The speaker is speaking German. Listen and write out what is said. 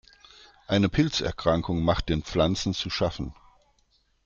Eine Pilzerkrankung macht den Pflanzen zu schaffen.